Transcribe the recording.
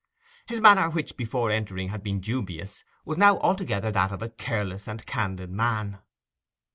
His manner, which, before entering, had been so dubious, was now altogether that of a careless and candid man.